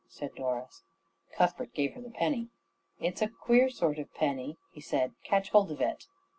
said Doris. Cuthbert gave her the penny. "It's a queer sort of penny," he said. "Catch hold of it."